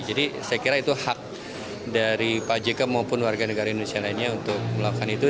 jadi saya kira itu hak dari pak jk maupun warga negara indonesia lainnya untuk melakukan itu